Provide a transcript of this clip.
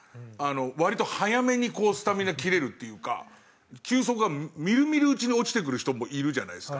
割と早めにこうスタミナ切れるっていうか球速がみるみるうちに落ちてくる人もいるじゃないですか。